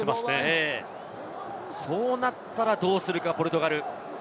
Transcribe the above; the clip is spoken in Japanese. そうなったらどうするか、ポルトガル。